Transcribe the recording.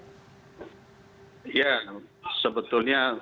untuk lebih apa ya lebih konsern lagi begitu melihat kondisi keuangan yang ada